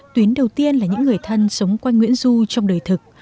tuyến đầu tiên là những người thân sống quanh nguyễn du trong đời thực